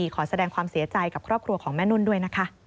ขอแสดงความเสียใจกับครอบครัวของแม่นุ่นด้วยนะคะ